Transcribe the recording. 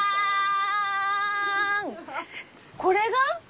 これが？